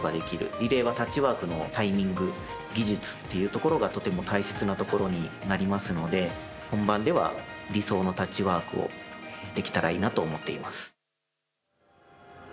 リレーはタッチワークのタイミング技術っていうところがとても大切なところになりますので、本番では理想のタッチワークをできたらいいなと思っています。